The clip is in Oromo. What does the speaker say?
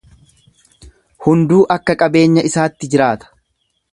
Hunduu akka qabeenya isaatti jiraata.